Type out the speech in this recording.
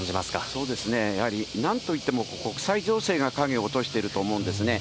そうですね、やはりなんといっても、国際情勢が影を落としていると思うんですね。